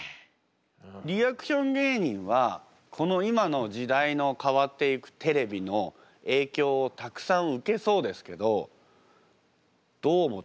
リアクション芸人はこの今の時代の変わっていくテレビの影響をたくさん受けそうですけどどう思っていますか？